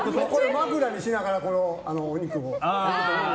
枕にしながらお肉を。